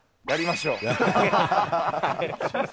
やりましょう。